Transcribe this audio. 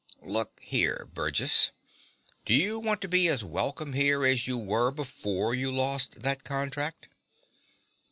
Look here, Burgess. Do you want to be as welcome here as you were before you lost that contract?